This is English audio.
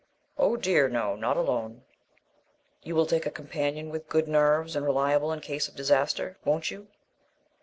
"Oh dear, no; not alone." "You will take a companion with good nerves, and reliable in case of disaster, won't you?"